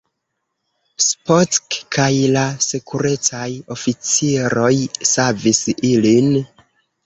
Spock kaj la sekurecaj oficiroj savis ilin.